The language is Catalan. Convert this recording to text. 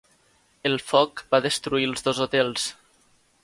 El foc va destruir els dos hotels.